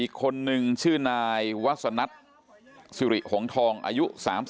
อีกคนนึงชื่อนายวัสนัทสิริหงทองอายุ๓๒